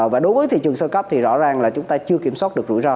và đối với thị trường sơ cấp thì rõ ràng là chúng ta chưa kiểm soát được rủi ro